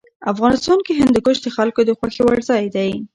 افغانستان کې هندوکش د خلکو د خوښې وړ ځای دی.